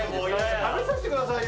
食べさせてくださいよ。